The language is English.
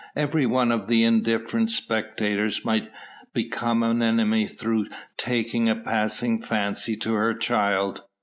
Every one of these indifferent spectators might become an enemy through taking a passing fancy to her child.